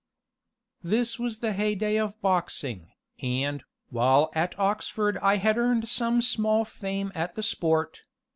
This was the heyday of boxing, and, while at Oxford, I had earned some small fame at the sport.